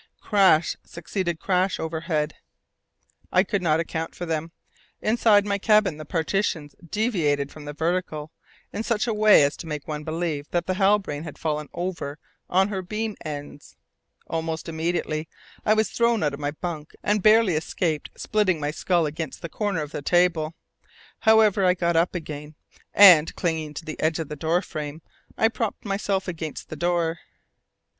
Crash succeeded crash overhead. I could not account for them. Inside my cabin the partitions deviated from the vertical in such a way as to make one believe that the Halbrane had fallen over on her beam ends. Almost immediately, I was thrown out of my bunk and barely escaped splitting my skull against the corner of the table. However, I got up again, and, clinging on to the edge of the door frame, I propped myself against the door.